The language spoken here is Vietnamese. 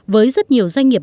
với rất nhiều doanh nghiệp